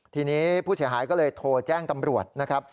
ทีนี้ผู้เสียหายก็เลยโทรแจ้งตำรวจนะครับ